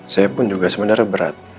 saya pun juga sebenarnya berat